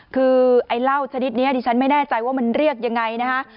คือไอ้เหล้าชนิดนี้ดิฉันไม่แน่ใจว่ามันเรียกยังไงนะคะ